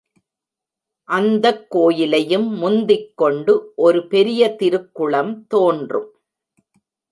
அந்தக் கோயிலையும் முந்திக், கொண்டு ஒரு பெரிய திருக்குளம் தோன்றும்.